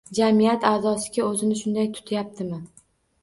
Jamiyat a’zosiki, o‘zini shunday tutmayaptimi